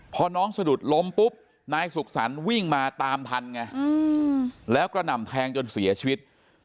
พอน้องสะดุดล้มปุ๊บนายสุขสรรค์วิ่งมาตามทันไงแล้วกระหน่ำแทงจนเสียชีวิต